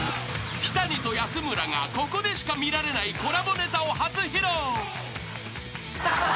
［日谷と安村がここでしか見られないコラボネタを初披露］